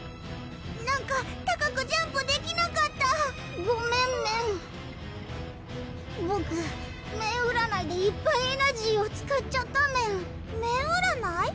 なんか高くジャンプできなかったごめんメンボク麺うらないでいっぱいエナジーを使っちゃったメン麺うらない？